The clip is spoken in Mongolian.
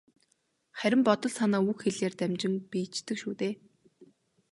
Харин бодол санаа үг хэлээр дамжин биеждэг шүү дээ.